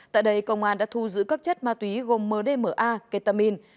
tại đây công an đã thu giữ các chất ma túy gồm mdma ketamine